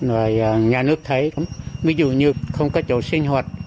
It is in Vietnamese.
rồi nhà nước thấy cũng ví dụ như không có chỗ sinh hoạt